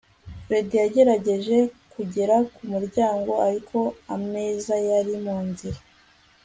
fred yagerageje kugera ku muryango, ariko ameza yari mu nzira